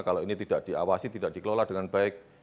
kalau ini tidak diawasi tidak dikelola dengan baik